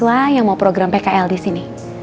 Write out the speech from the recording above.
ada tiga orang mahasiswa yang mau program pkl disini